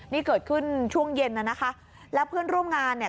นี่เกิดขึ้นช่วงเย็นน่ะนะคะแล้วเพื่อนร่วมงานเนี่ย